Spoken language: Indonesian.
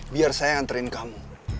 biar saya anterin kamu